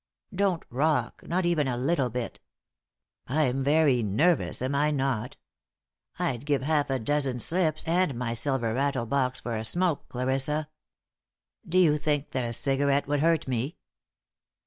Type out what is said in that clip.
Don't rock, not even a little bit. I'm very nervous, am I not? I'd give half a dozen slips and my silver rattlebox for a smoke, Clarissa. Do you think that a cigarette would hurt me?"